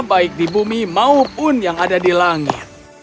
baik di bumi maupun yang ada di langit